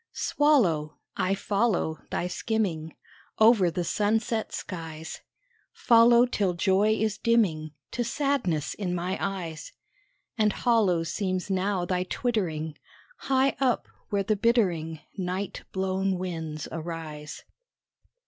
Swallow, I follow Thy skimming Over the sunset skies Follow till joy is dimming To sadness in my eyes. And hollow seems now thy twittering High up where the bittering Night blown winds arise.